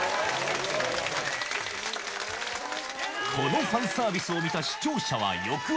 このファンサービスを見た視聴者は翌朝。